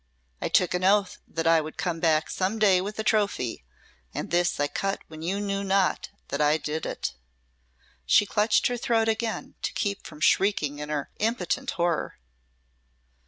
I took an oath that I would come back some day with a trophy and this I cut when you knew not that I did it." She clutched her throat again to keep from shrieking in her impotent horror.